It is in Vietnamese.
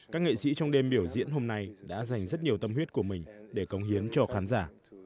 các nghệ sĩ trong đêm biểu diễn hôm nay đã dành rất nhiều tâm huyết của mình để công hiến cho khán giả